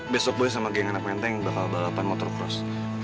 besok boy sama geng anak menteng bakal balapan motocross